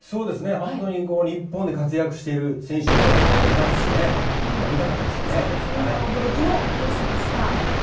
本当に、日本で活躍している選手もいますし驚きのニュースでした。